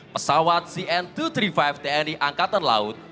pesawat cn dua ratus tiga puluh lima tni angkatan laut